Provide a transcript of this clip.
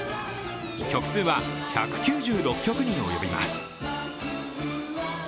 曲数は１９６曲におよびます。